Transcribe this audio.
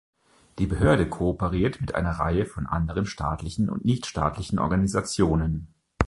Die Behörde kooperiert mit einer Reihe von anderen staatlichen und nichtstaatlichen Organisationen.